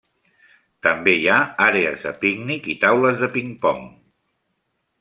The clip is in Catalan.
També hi ha àrees de pícnic i taules de ping-pong.